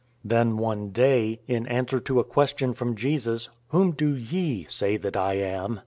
Then one day, in answer to a question from Jesus, " Whom do ye say that I am?